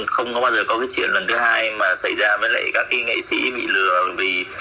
không có bao giờ có cái chuyện lần thứ hai mà xảy ra với lại các cái nghệ sĩ bị lừa vì